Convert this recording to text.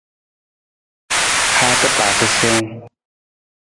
Haata paasa siwung.